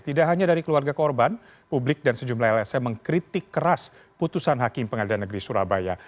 tidak hanya dari keluarga korban publik dan sejumlah lsm mengkritik keras putusan hakim pengadilan negeri surabaya